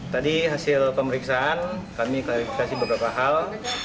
tadi hasil pemeriksaan kami klarifikasi beberapa hal